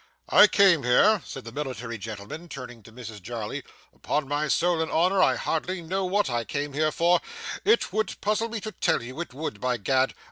'I came here,' said the military gentleman turning to Mrs Jarley ''pon my soul and honour I hardly know what I came here for. It would puzzle me to tell you, it would by Gad.